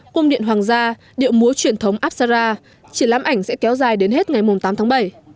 cung điện hoàng gia điệu múa truyền thống apsara triển lãm ảnh sẽ kéo dài đến hết ngày tám tháng bảy